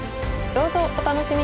どうぞお楽しみに！